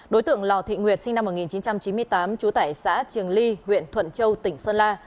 đối tượng lò thị nguyệt sinh năm một nghìn chín trăm chín mươi tám chú tải xã trường ly huyện thuận châu tỉnh sơn la